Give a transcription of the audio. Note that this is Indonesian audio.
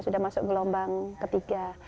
sudah masuk gelombang ketiga